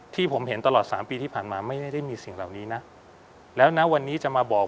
ที่ผมเห็นตลอดสามปีที่ผ่านมาไม่ได้มีสิ่งเหล่านี้นะแล้วนะวันนี้จะมาบอก